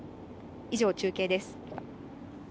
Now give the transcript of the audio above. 以上、中継です。